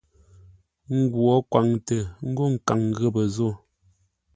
Ngwǒ kwaŋtə ńgó nkaŋ ghəpə́ zô.